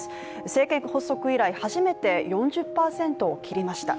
政権発足以来、初めて４０％を切りました。